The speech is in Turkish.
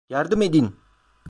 Yardım edin!